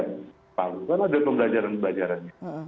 karena ada pembelajaran pembelajaran